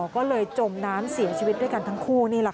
ก็เลยจมน้ำเสียชีวิตด้วยกันทั้งคู่